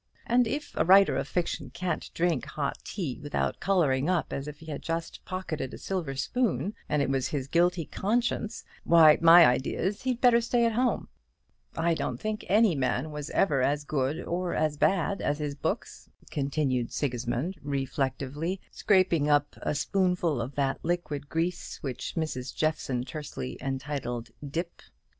And if a writer of fiction can't drink hot tea without colouring up as if he had just pocketed a silver spoon, and it was his guilty conscience, why, my idea is, he'd better stay at home. I don't think any man was ever as good or as bad as his books," continued Sigismund, reflectively, scraping up a spoonful of that liquid grease which Mrs. Jeffson tersely entitled "dip."